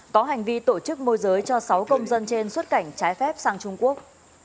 có hành vi tổ chức môi giới cho sáu công dân trên xuất cảnh trái phép sang trung quốc